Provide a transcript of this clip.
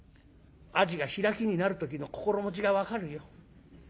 アジが開きになる時の心持ちが分かるよ。